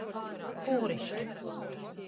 Pūriški.